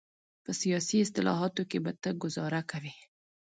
په سیاسي اصطلاحاتو کې به ته ګوزاره کوې.